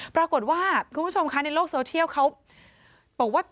ปรากฏว่าคุณผู้ชมคะในโลกโซเชียลเขาบอกว่า